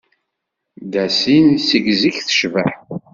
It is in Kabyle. Dassin seg zik tecbeḥ.